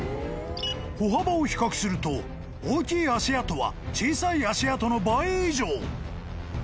［歩幅を比較すると大きい足跡は小さい足跡の倍以上］